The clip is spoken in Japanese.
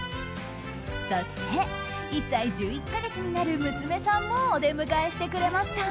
そして１歳１１か月になる娘さんもお出迎えしてくれました。